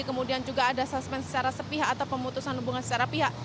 kemudian juga ada susmen secara sepihak atau pemutusan hubungan secara pihak